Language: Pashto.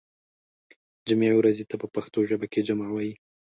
جمعې ورځې ته په پښتو ژبه کې جمعه وایی